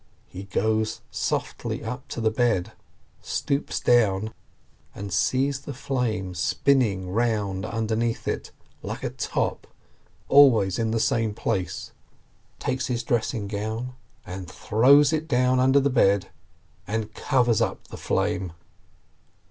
He goes softly up to the bed, stoops down, and sees the flame spinning round underneath it, like a top, always in the same place; takes his dressing gown, and throws it down under the bed, and covers up the flame.